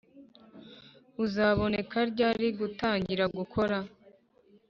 rr Uzaboneka ryari gutangira gukora